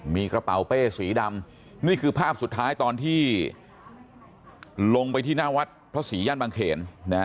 มีกระเป๋าเป้สีดำนี่คือภาพสุดท้ายตอนที่ลงไปที่หน้าวัดพระศรีย่านบางเขน